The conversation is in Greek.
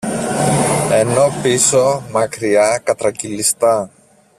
ενώ πίσω, μακριά, κατρακυλιστά